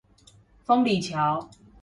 豐里橋